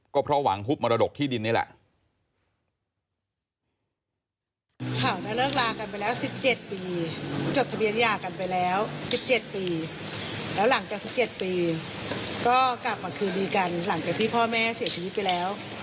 ก็เพราะหวังฮุบมรดกที่ดินนี่แหละ